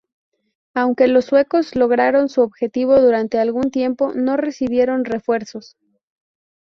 Aunque los suecos lograron su objetivo durante algún tiempo, no recibieron refuerzos.